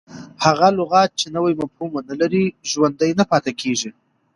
هغه لغت، چي نوی مفهوم و نه لري، ژوندی نه پاته کیږي.